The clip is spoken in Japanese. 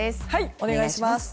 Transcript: お願いします。